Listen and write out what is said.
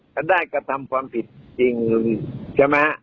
ก็ได้ก็ทำความผิดจริงใช่ไหม